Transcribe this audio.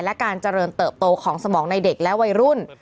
และการเจริญเติบโตของสมองในเด็กและวัยรุ่น